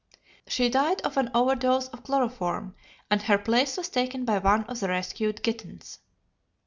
She died of an overdose of chloroform, and her place was taken by one of the rescued kittens.